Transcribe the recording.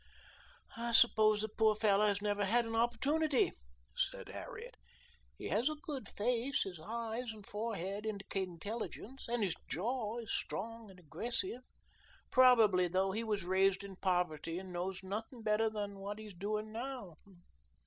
"I suppose the poor fellow has never had an opportunity," said Harriet. "He has a good face, his eyes and forehead indicate intelligence, and his jaw is strong and aggressive. Probably, though, he was raised in poverty and knows nothing better than what he is doing now.